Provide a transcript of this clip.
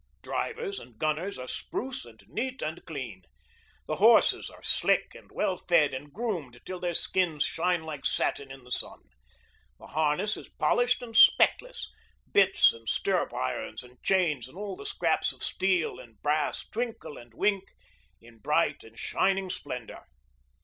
Drivers and gunners are spruce and neat and clean, the horses are sleek and well fed and groomed till their skins shine like satin in the sun, the harness is polished and speckless, bits and stirrup irons and chains and all the scraps of steel and brass twinkle and wink in bright and shining splendour.